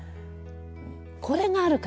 これがあるからね